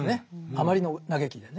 あまりの嘆きでね。